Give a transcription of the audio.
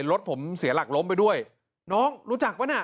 รถผมเสียหลักล้มไปด้วยน้องรู้จักป่ะน่ะ